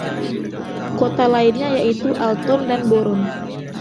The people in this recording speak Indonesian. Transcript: Kota lainnya yaitu Alton dan Boron.